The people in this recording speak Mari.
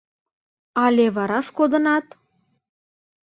Але вараш кодынат.